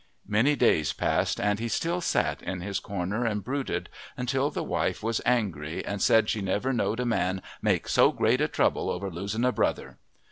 Many days passed and he still sat in his corner and brooded, until the wife was angry and said she never knowed a man make so great a trouble over losing a brother.